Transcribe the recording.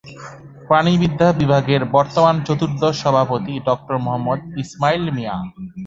প্রাণিবিদ্যা বিভাগের বর্তমান চতুর্দশ সভাপতি ডক্টর মোহাম্মদ ইসমাইল মিয়া।